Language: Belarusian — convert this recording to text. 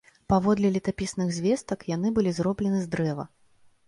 Паводле летапісных звестак, яны былі зроблены з дрэва.